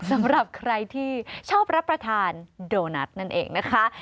สำหรับใครที่ชอบรับประทานโดนัทนั่นเองนะคะ